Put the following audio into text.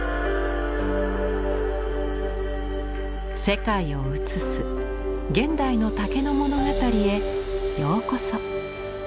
世界を映す現代の竹の物語へようこそ。